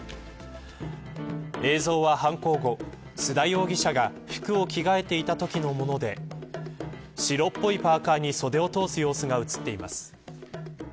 映像は犯行後、須田容疑者が服を着替えていたときのもので白っぽいパーカに袖を通す様子が映っています。